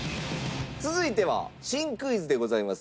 続いては新クイズでございます。